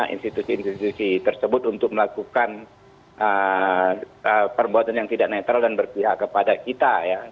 institusi institusi tersebut untuk melakukan perbuatan yang tidak netral dan berpihak kepada kita ya